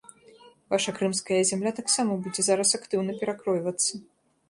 Ваша крымская зямля таксама будзе зараз актыўна перакройвацца.